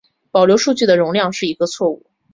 保留数据的容量是一个错误。